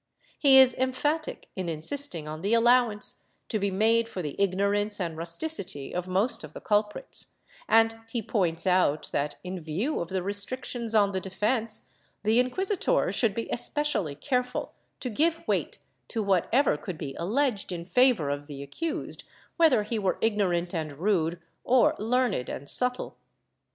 He is emphatic in insisting on the allowance to be made for the ignorance and rusticity of most of the culprits, and he points out that, in view of the restrictions on the defence, the inquisitor should be especially careful to give weight to whatever could be alleged in favor of the accused, whether he were ignorant and rude, or learned and subtle.